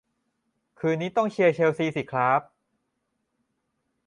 คืนนี้ต้องเชียร์เชลซีสิครับ